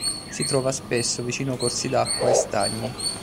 Si trova spesso vicino corsi d'acqua e stagni.